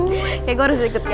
kayaknya gue harus ikut casting